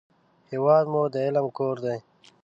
هېواد مو د علم کور دی